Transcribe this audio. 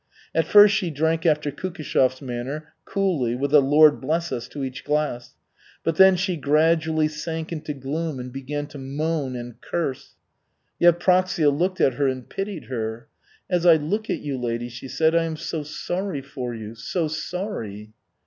At first she drank after Kukishev's manner, coolly, with a "Lord bless us" to each glass, but then she gradually sank into gloom and began to moan and curse. Yevpraksia looked at her and pitied her: "As I look at you, lady," she said, "I am so sorry for you, so sorry."